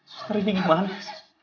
suster ini gimana